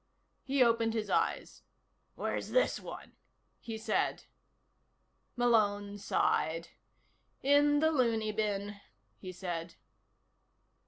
He opened his eyes. "Where's this one?" he said. Malone sighed. "In the looney bin," he said.